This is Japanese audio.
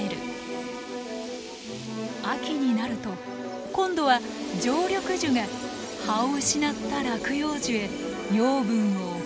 秋になると今度は常緑樹が葉を失った落葉樹へ養分を送る。